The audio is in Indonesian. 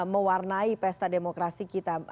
mewarnai pesta demokrasi kita